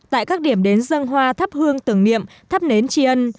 tại các điểm đến dân hoa thắp hương tưởng niệm thắp nến tri ân